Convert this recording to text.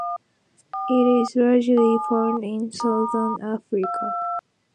It is largely found in southern Africa.